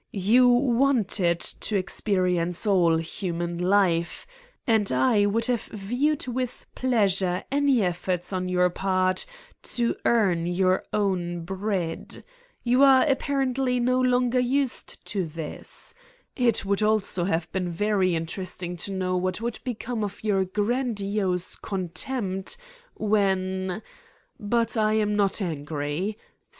You wanted to experience all human life and I would have viewed with pleasure any efforts on your part to earn your own bread. You are apparently 232 Satan's Diary no longer used to this? It would also have been very interesting to know what would become of your grandiose contempt whem ... But I am not angry.